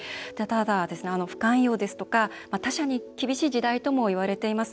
不寛容ですとか他者に厳しい時代ともいわれています。